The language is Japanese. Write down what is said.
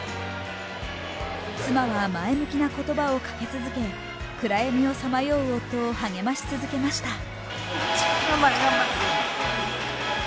妻は前向きな言葉をかけ続け暗闇をさまよう夫を励まし続けました。